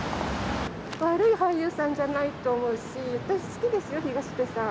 悪い俳優さんじゃないと思うし、私、好きですよ、東出さん。